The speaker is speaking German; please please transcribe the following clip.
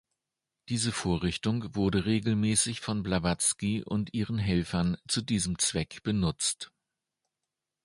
Diese Vorrichtung wurde regelmäßig von Blavatsky und ihren Helfern zu diesem Zweck benutzt.